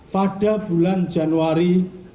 pada bulan januari dua ribu sembilan belas